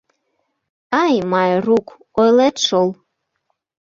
Ай, Майрук, ойлет шол.